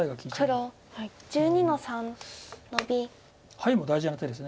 ハイも大事な手です。